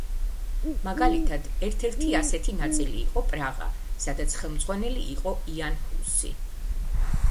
მაგალითად, ერთ-ერთი ასეთი ნაწილი იყო პრაღა, სადაც ხელმძღვანელი იყო იან ჰუსი.